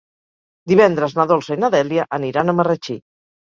Divendres na Dolça i na Dèlia aniran a Marratxí.